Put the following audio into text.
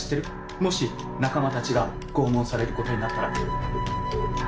もし仲間たちが拷問されることになったら？